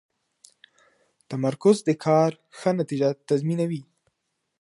تمرکز د کار ښه نتیجه تضمینوي.